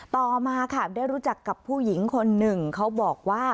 ต่อมาค่ะได้รู้จักกับผู้หญิงคนหนึ่งเขาบอกว่า